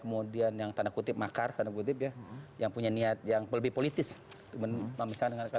kemudian yang tanda kutip makar tanda kutip ya yang punya niat yang lebih politis